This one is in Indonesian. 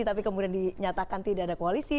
tapi kemudian dinyatakan tidak ada koalisi